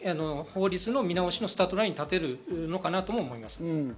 法律の見直しのスタートラインに立てるかなと思います。